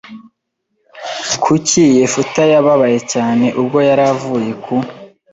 Kuki Yefuta yababaye cyane ubwo yari avuye ku